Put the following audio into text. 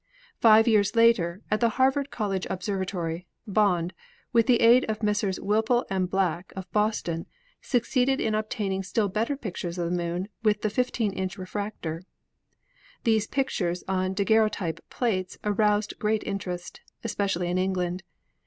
Five years later, at the Harvard College Observatory, Bond, with the aid of Messrs. Whipple and Black, of Boston, succeeded in ob taining still better pictures of the Moon with the 15 inch refractor. These pictures on daguerreotype plates aroused great interest, especially in England.